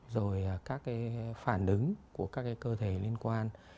rồi các cái phản ứng của các cái cơ thể liên quan